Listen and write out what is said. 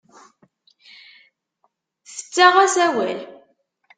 Tettaɣ-as awal.